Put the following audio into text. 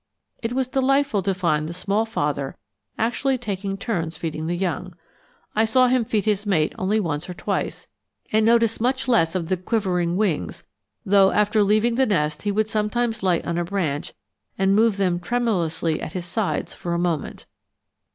It was delightful to find the small father actually taking turns feeding the young. I saw him feed his mate only once or twice, and noticed much less of the quivering wings, though after leaving the nest he would sometimes light on a branch and move them tremulously at his sides for a moment.